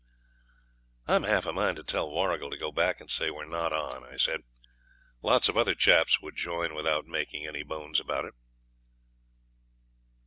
'I'm half a mind to tell Warrigal to go back and say we're not on,' I said. 'Lots of other chaps would join without making any bones about it.'